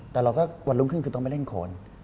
แต่เราก็วันรุ่งขึ้นคือต้องไปเล่นโคน